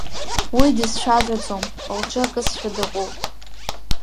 Уи дызцәажәаӡом, лҿы акызшәа дыҟоуп.